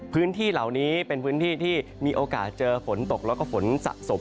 พื้นที่เหล่านี้เป็นพื้นที่ที่มีโอกาสเจอฝนตกแล้วก็ฝนสะสม